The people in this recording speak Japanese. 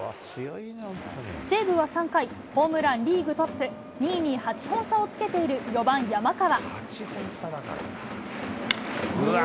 西武は３回、ホームランリーグトップ、２位に８本差をつけている４番山川。